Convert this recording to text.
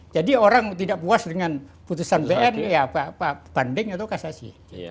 jadi orang tidak puas dengan putusan bn ya banding atau kasasi